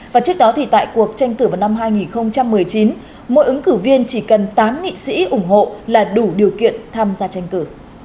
và trước đó thì tại cuộc tranh cử vào năm hai nghìn một mươi chín mỗi ứng cử viên chỉ cần tám nghị sĩ ủng hộ là đủ điều kiện tham gia tranh cử